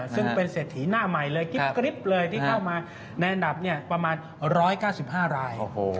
ซึ่งเป็นเศรษฐีหน้าใหม่เลยกริ๊บเลยที่เข้ามาในอันดับประมาณ๑๙๕ราย